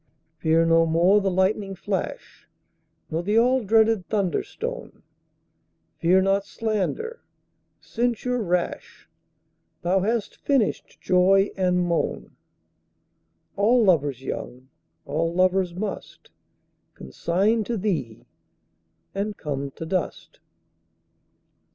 Fear no more the lightning flash, Nor the all dreaded thunder stone; Fear not slander, censure rash; Thou hast finish'd joy and moan:All lovers young, all lovers mustConsign to thee, and come to dust.